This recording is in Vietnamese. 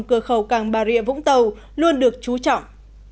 cửa khẩu càng bà rịa vũng tàu luôn được chú trọng